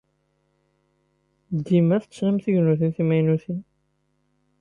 Dima tettnam tignatin timaynutin.